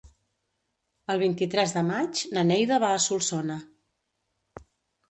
El vint-i-tres de maig na Neida va a Solsona.